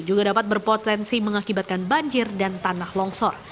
juga dapat berpotensi mengakibatkan banjir dan tanah longsor